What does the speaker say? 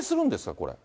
これ。